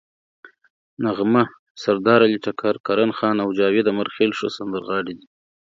نغمه، سردارعلي ټکر، کرن خان او جاوید امیرخیل ښه سندرغاړي دي.